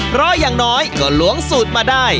เพราะอย่างน้อยก็ล้วงสูตรมาได้